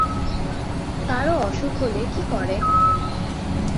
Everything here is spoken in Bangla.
‘কারো অসুখ হলে কী করেন?’